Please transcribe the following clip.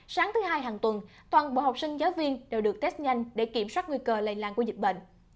sáng thứ hai hàng tuần toàn bộ học sinh giáo viên đều được test nhanh để kiểm soát nguy cơ lây lan của dịch bệnh